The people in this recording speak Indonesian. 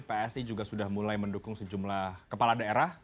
psi juga sudah mulai mendukung sejumlah kepala daerah